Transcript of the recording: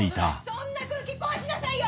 そんな空気壊しなさいよ！